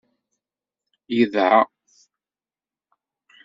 Yedɛa.